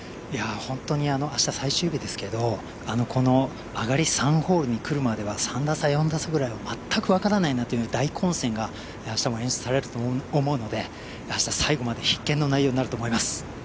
本当に明日、最終日ですけどこの上がり３ホールに来るまでは３打差、４打差ぐらいは全くわからないなという大混戦が明日も演出されると思うので明日、最後まで必見の内容になると思います。